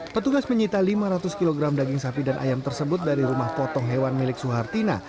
petugas menyita lima ratus kg daging sapi dan ayam tersebut dari rumah potong hewan milik suhartina